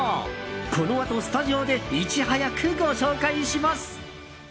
このあとスタジオでいち早くご紹介します。